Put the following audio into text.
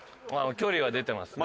距離は出てますね。